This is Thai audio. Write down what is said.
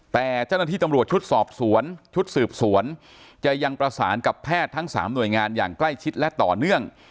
แต่เจ้าหน้าที่ตำรวจชุดสอบสวนชุดสืบสวนจะยังประสานกับแพทย์ทั้ง๓หน่วยงานอย่างใกล้ชิดและต่อเนื่อง